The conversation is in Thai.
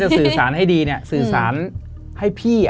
สื่อสารให้ดีสื่อสารให้พี่